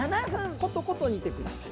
コトコト煮てください。